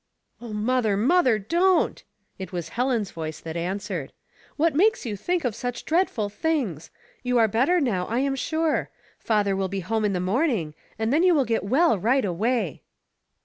" O mother, mother, don't! " It was Helen's voice that answered. " What makes you think of such dreadful things ? You are better now, I am sure. Father will be home in the morning, and then you will get well right away."